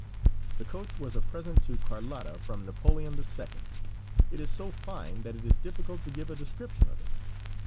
The coach was a present to Carlotta from Napoleon II. It is so fine that it is difficult to give a description of it.